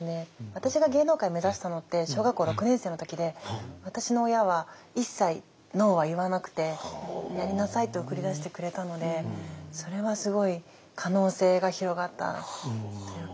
私が芸能界目指したのって小学校６年生の時で私の親は一切「ＮＯ」は言わなくて「やりなさい」と送り出してくれたのでそれはすごい可能性が広がったというか。